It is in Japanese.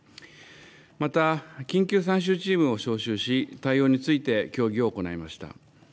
また、緊急参集チームを招集し、対応について協議を行いました。